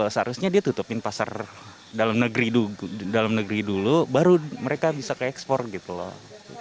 seharusnya dia tutupin pasar dalam negeri dalam negeri dulu baru mereka bisa ke ekspor gitu loh